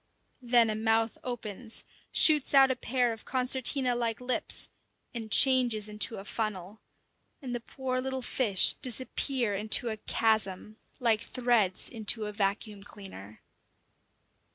Then a mouth opens, shoots out a pair of concertina like lips, and changes into a funnel; and the poor little fish disappear into a chasm, like threads into a vacuum cleaner.